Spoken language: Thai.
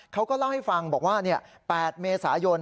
เขาก็เล่าให้ฟังบอกว่า๘เมษายน